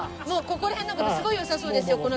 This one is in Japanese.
もうここら辺なんかすごいよさそうですよ